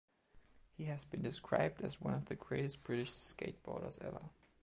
He has been described as one of the greatest British skateboarders ever.